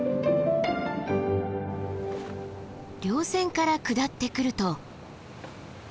稜線から下ってくると。